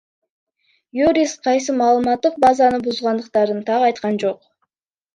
Юрист кайсы маалыматтык базаны бузугандыктарын так айткан жок.